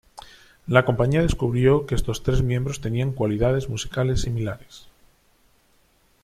La compañía descubrió que estos tres miembros tenían cualidades musicales similares.